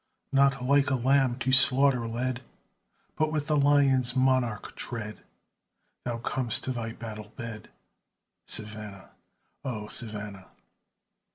Not like a lamb to slaughter led, But with the lion's monarch tread, Thou comest to thy battle bed, Savannah! O Savannah!